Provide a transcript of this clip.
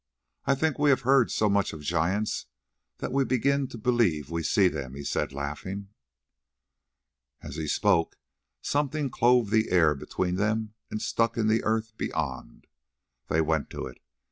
"I think we have heard so much of giants that we begin to believe we see them," he said laughing. As he spoke something clove the air between them and stuck in the earth beyond. They went to it.